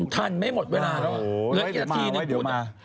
ทันไม่หมดเวลาโอ้โหเดี๋ยวมา